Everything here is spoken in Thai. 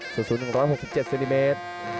สูตรศูนย์๑๖๗ซินิเมตร